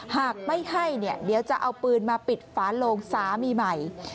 หากไม่ให้เนี่ยเดี๋ยวจะเอาปืนมาปิดฝาโลงสามีใหม่